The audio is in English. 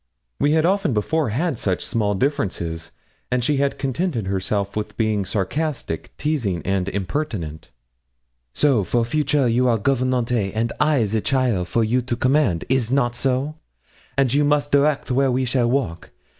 We had often before had such small differences, and she had contented herself with being sarcastic, teasing, and impertinent. 'So, for future you are gouvernante and I the cheaile for you to command is not so? and you must direct where we shall walk.